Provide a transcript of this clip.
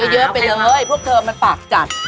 เยอะไปเลยพวกเธอมันปากจัด